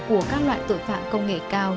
của các loại tội phạm công nghệ cao